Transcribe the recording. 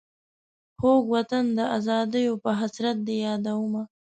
خوږ وطن د آزادیو په حسرت دي یادومه.